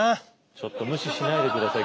ちょっと無視しないでください。